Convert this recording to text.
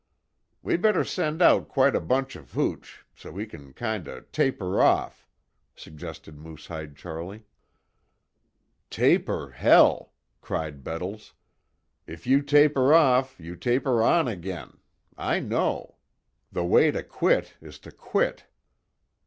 "We better send out quite a bunch of hooch. So he can kind of taper off," suggested Moosehide Charlie. "Taper hell!" cried Bettles, "If you taper off, you taper on agin. I know. The way to quit is to quit."